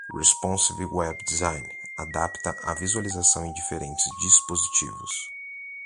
Responsive Web Design adapta a visualização em diferentes dispositivos.